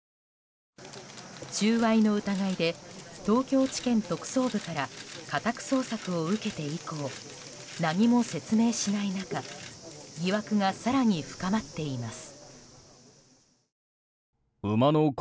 収賄の疑いで東京地検特捜部から家宅捜索を受けて以降何も説明しない中疑惑が更に深まっています。